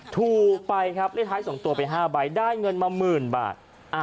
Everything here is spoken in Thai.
ถูกไปครับเลขท้าย๒ตัวไป๕ใบได้เงินมาหมื่นบาท